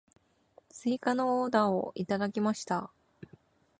追加のオーダーをいただきました。